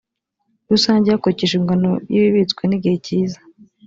rusange hakurikijwe ingano y ibibitswe n igihe cyiza